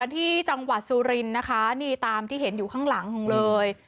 ที่จังหวัดสุรินทร์นะคะนี่ตามที่เห็นอยู่ข้างหลังของเลย